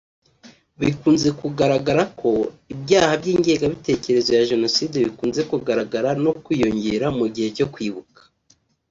Bikunze kugararagara ko ibyaha by’ingengabitekerezo ya jenoside bikunze kugaragara no kwiyongera mu gihe cyo kwibuka